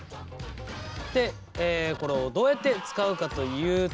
でこれをどうやって使うかというと。